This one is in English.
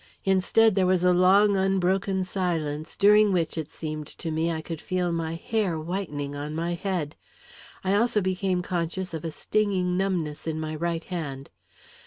Instead, there was a long, unbroken silence, during which, it seemed to me, I could feel my hair whitening on my head. I also became conscious of a stinging numbness in my right hand.